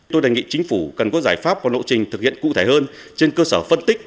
tôi đề nghị chính phủ cần có giải pháp và lộ trình thực hiện cụ thể hơn trên cơ sở phân tích